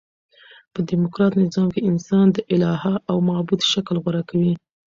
په ډیموکراټ نظام کښي انسان د اله او معبود شکل غوره کوي.